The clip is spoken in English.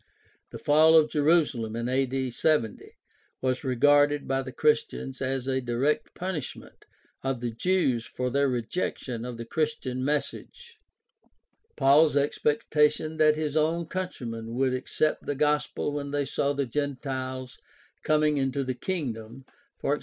The fall of Jerusalem in 70 a.d. was regarded by the Christians as a direct punishment of the Jews for their rejection of the Chris tian message. Paul's expectation that his own countrymen 292 GUIDE TO STUDY OF CHRISTIAN RELIGION would accept the Gospel when they saw the Gentiles coming into the kingdom (e.g.